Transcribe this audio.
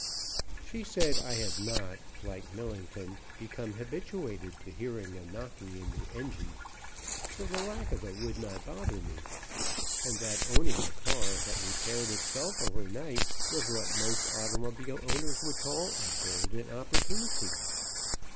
She said I had not, like Millington, become habituated to hearing a knocking in the engine, so' the lack of it would not bother me, and that owning a car that repaired itself over night was what most automobile owners would call a golden opportunity.